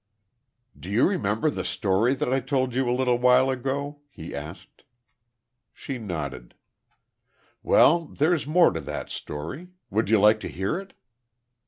"Do you remember the story that I told you a little while ago?" he asked. She nodded. "Well, there's more to that story. Would you like to hear it?"